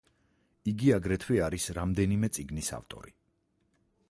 იგი აგრეთვე არის რამდენიმე წიგნის ავტორი.